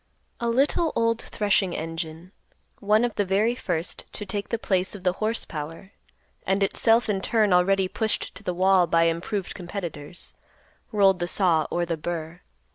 A little old threshing engine, one of the very first to take the place of the horse power, and itself in turn already pushed to the wall by improved competitors, rolled the saw or the burr.